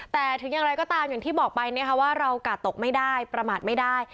แต่ถึงอย่างไรก็ตามอย่างที่บอกไปนะคะว่าเรากาดตกไม่ได้ประมาทไม่ได้